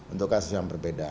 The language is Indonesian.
untuk kasus yang berbeda